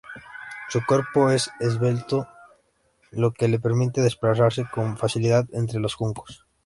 Su cuerpo es esbelto lo que le permite desplazarse con facilidad entre los juncos.